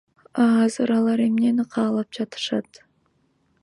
А азыр алар эмнени каалап жатышат?